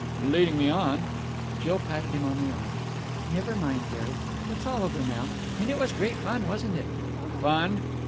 "Leading me on...!" Jill patted him on the arm. "Never mind, Derek! It's all over now. And it was great fun, wasn't it!" "Fun!"